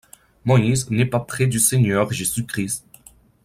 Moïse n’est pas près du Seigneur Jésus-Christ